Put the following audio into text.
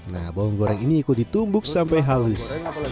nah bawang goreng ini ikut ditumbuk sampai halus